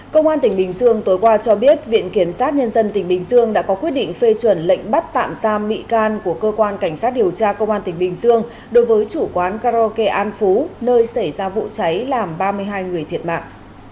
công an tỉnh bình dương tối qua cho biết viện kiểm sát nhân dân tỉnh bình dương đã có quyết định phê chuẩn lệnh bắt tạm giam bị can của cơ quan cảnh sát điều tra công an tỉnh bình dương đối với chủ quán karaoke an phú nơi xảy ra vụ cháy làm ba mươi hai người thiệt mạng